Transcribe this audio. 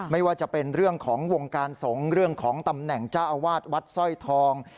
ไม่ว่าจะเป็นเรื่องของวงการสงฆ์เรื่องของตำแหน่งเจ้าอาวาสวัดสร้อยทอง